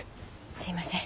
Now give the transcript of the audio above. すいません